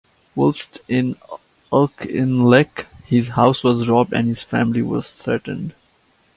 Whilst in Auchinleck his house was robbed and his family was threatened.